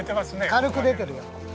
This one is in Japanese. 軽く出てるよ。